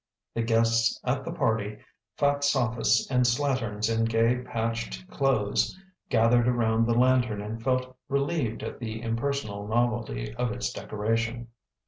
The guests at the party, fat sophists and slatterns in gay, patched clothes, gathered around the lantern and felt re lieved at the impersonal novelty of its decoration.